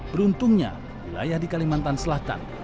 beruntungnya wilayah di kalimantan selatan